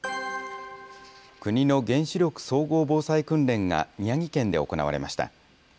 国の原子力総合防災訓練が宮城県で行われました。